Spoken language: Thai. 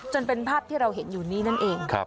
จนเป็นภาพที่เราเห็นอยู่นี้นั่นเอง